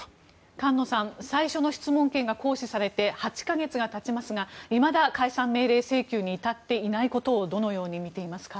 菅野さん、最初の質問権が行使されて８か月が経ちますがいまだ、解散命令請求に至っていないことをどのように見ていますか。